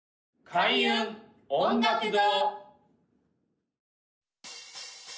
開運音楽堂！